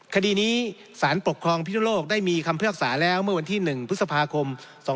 คดีนี้สารปกครองพิศนุโลกได้มีคำพิพากษาแล้วเมื่อวันที่๑พฤษภาคม๒๕๖๒